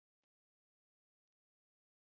دا له ګاونډیانو سره د ښه ګاونډیتوب اړیکه ده.